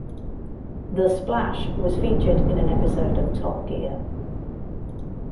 The Splash was featured in an episode of "Top Gear".